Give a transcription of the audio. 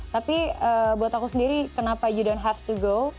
tapi buat aku sendiri kenapa you don house to go